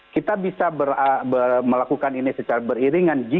kita bisa melakukan ini secara beriringan